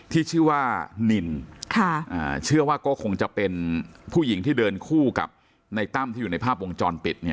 ที่ชื่อว่านินเชื่อว่าก็คงจะเป็นผู้หญิงที่เดินคู่กับในตั้มที่อยู่ในภาพวงจรปิด